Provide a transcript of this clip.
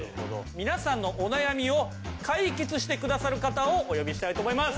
皆さんのお悩みを解決してくださる方をお呼びしたいと思います。